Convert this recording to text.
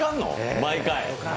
毎回。